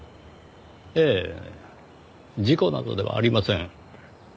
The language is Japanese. ええ事故などではありません。